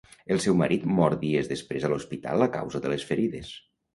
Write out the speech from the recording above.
El seu marit mor dies després a l’hospital a causa de les ferides.